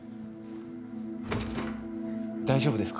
大丈夫ですか？